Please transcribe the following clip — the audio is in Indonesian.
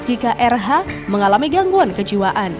jika rh mengalami gangguan kejiwaan